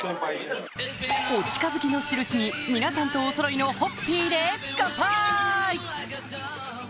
お近づきの印に皆さんとおそろいのホッピーでカンパイ！